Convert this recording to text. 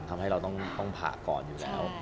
ทำให้เราต้องผ่าก่อนอยู่แล้ว